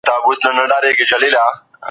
قاچاق لا هم زیاتېږي.